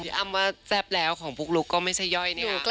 อ้ำว่าแซ่บแล้วของปุ๊กลุ๊กก็ไม่ใช่ย่อยนะคะ